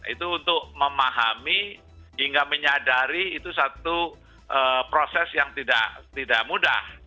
itu untuk memahami hingga menyadari itu satu proses yang tidak mudah